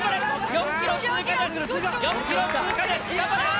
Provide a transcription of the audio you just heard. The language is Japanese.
４ｋｍ通過です！